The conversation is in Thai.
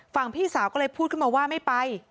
พี่สาวก็เลยพูดขึ้นมาว่าไม่ไป